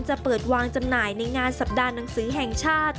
จะเปิดวางจำหน่ายในงานสัปดาห์หนังสือแห่งชาติ